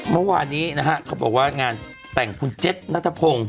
เมื่อวานนี้นะฮะเขาบอกว่างานแต่งคุณเจ็ดนัทพงศ์